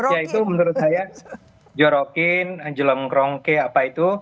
ya itu menurut saya jorokin anjelem kerongke apa itu